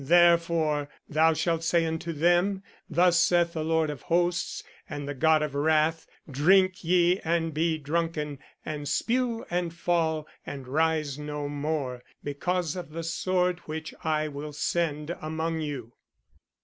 Therefore, thou shalt say unto them, Thus saith the Lord of Hosts, and the God of wrath: "Drink ye and be drunken, and spue and fall, and rise no more, because of the sword which I will send among you."